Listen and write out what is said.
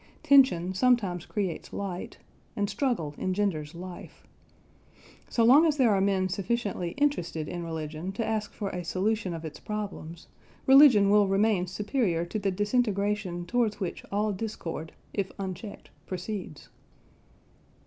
Tension sometimes creates light, and struggle engenders life. So long as there are men sufficiently interested in religion to ask for a solution of its problems, religion will remain superior to the disintegration towards which all discord, if unchecked, proceeds.